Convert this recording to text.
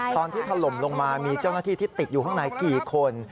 ถล่มลงมามีเจ้าหน้าที่ที่ติดอยู่ข้างในกี่คน